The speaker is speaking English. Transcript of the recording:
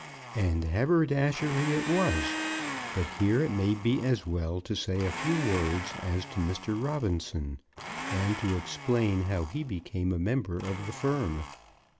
And haberdashery it was. But here it may be as well to say a few words as to Mr. Robinson, and to explain how he became a member of the firm.